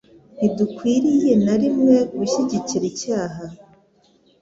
Ntidukwiriye na rimwe gushyigikira icyaha,